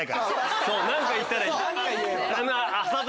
そう何か言ったらいい。